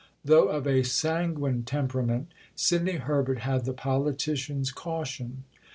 Though of a sanguine temperament, Sidney Herbert had the politician's caution.